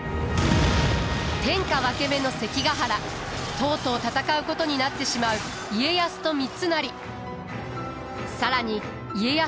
とうとう戦うことになってしまう家康と三成。